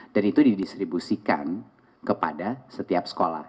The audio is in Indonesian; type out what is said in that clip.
dan itu didistribusikan kepada setiap sekolah